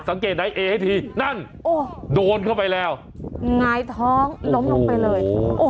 สังเกตไหนเอเฮทีนั่นโอ้โดนเข้าไปแล้วง้ายท้องล้มลงไปเลยโอ้